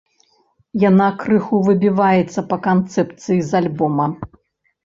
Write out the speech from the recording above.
Яна крыху выбіваецца па канцэпцыі з альбома.